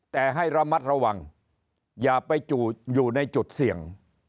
แต่ให้ระมัดระวังอย่าไปอยู่ในจุดเสี่ยง